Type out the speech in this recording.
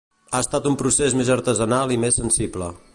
Ha estat un procés més artesanal i més sensible.